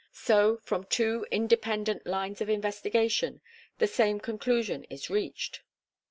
So, from two independent lines of investigation, the same conclusion is reached.